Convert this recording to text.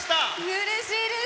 うれしいです。